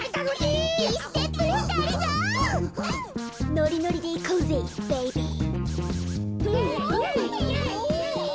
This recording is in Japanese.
のりのりでいこうぜベイビー。